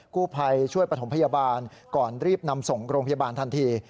กู้ภัยช่วยประถมพยาบาลก่อนรีบนำส่งโรงพยาบาลทันที